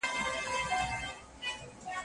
ما ته وخت یوه خبره را ښودلې